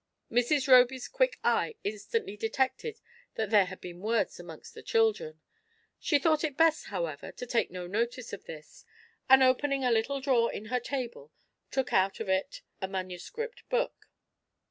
Mrs. Roby*s quick eye instantly detected that there had been words amongst the children ; she thought it best, however, to take no notice of this, and opening a little drawer in her table, took out of it a manuscript book.